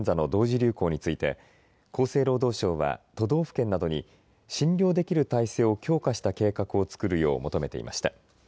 流行について厚生労働省は都道府県などに診療できる体制を強化した計画を作るよう求めていました。